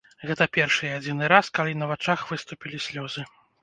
Гэта першы і адзіны раз, калі на вачах выступілі слёзы.